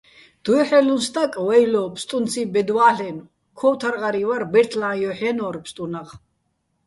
დუ́ჲჰ̦რელუჼ სტაკ, ვეჲლო, ფსტუნციჼ ბედ ვა́ლლ'ენო̆, ქო́ვთარღარიჼ ვარ, ბეჲრთლა́ჼ ჲოჰ̦ ჲანო́რ ფსტუნაღ.